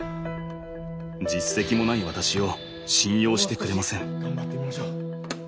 実績もない私を信用してくれません。